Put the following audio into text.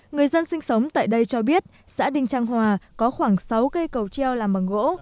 người dân sinh sống tại đây cho biết xã đinh trang hòa có khoảng sáu cây cầu treo làm bằng gỗ